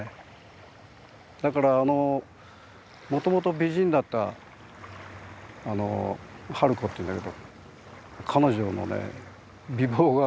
だからもともと美人だったあの春子っていうんだけど彼女のね美貌がね